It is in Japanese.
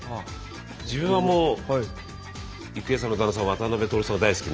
自分はもう郁恵さんの旦那さん渡辺徹さんが大好きな。